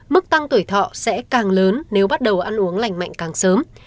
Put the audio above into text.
mức tăng tuổi thọ sẽ càng lớn nếu bắt đầu ăn uống lành mạnh càng sớm